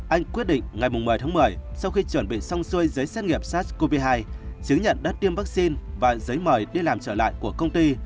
anh quyết định ngày một mươi tháng một mươi sau khi chuẩn bị xong xuôi giấy xét nghiệm sars cov hai chứng nhận đất tiêm vaccine và giấy mời đi làm trở lại của công ty